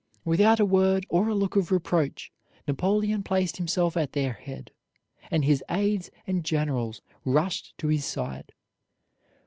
Without a word or a look of reproach, Napoleon placed himself at their head, and his aides and generals rushed to his side.